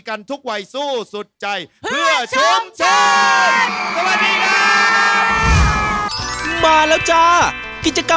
อะไรเสร็จจ้ะจริงเหรอ